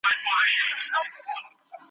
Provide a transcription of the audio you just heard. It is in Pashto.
چی له ظلمه دي خلاص کړی یمه خوره یې !.